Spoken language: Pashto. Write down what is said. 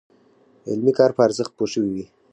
علمي کار په ارزښت پوه شوي وي.